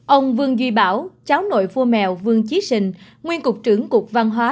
ông vương duy bảo cháu nội vua mèo vương trí sình nguyên cục trưởng cục văn hóa